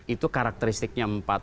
itu karakteristiknya empat